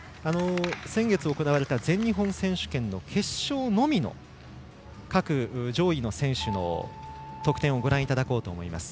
先月行われた全日本選手権の決勝のみの各上位の選手の得点をご覧いただきます。